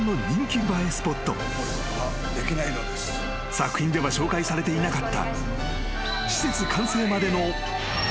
［作品では紹介されていなかった］